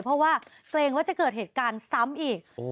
เพราะว่าเกรงว่าจะเกิดเหตุการณ์ซ้ำอีก